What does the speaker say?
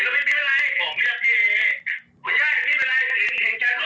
เล้ทเตียงอะไรอะไรหว่าฟิ้นมีเลยไงวะ